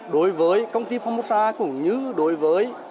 đối với công ty phongposa cũng như đối với